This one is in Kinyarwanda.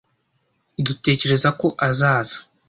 dutekereza ko azaza.